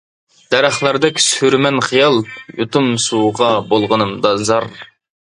دەرەخلەردەك سۈرىمەن خىيال، يۇتۇم سۇغا بولغىنىمدا زار.